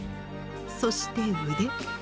そして腕。